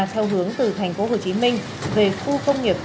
theo hướng từ thành phố hồ chí minh về khu công nghiệp v ship